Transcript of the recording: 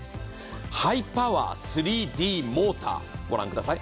ハイパワー３Ｄファンモーター、御覧ください。